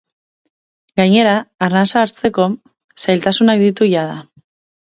Gainera, arnasa hartzkeo zailtasunak ditu jada.